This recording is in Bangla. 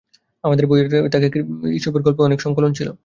আমাদের বইয়ের তাকে গ্রিমের রূপকথা এবং ঈশপের গল্পের অনেক সংকলন ছিল।